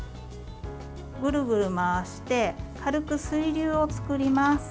ぐるぐる回して軽く水流を作ります。